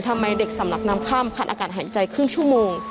ทำไมเด็กสำลักน้ำค่ำขาดอากาศหายใจครึ่งชั่วโมง